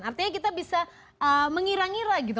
artinya kita bisa mengira ngira gitu